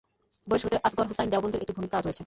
বইয়ের শুরুতে আসগর হুসাইন দেওবন্দির একটি ভূমিকা রয়েছে।